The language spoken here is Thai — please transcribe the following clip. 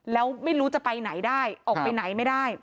แล้วไม่รู้จะไปไหนได้ออกไปไหนไม่ได้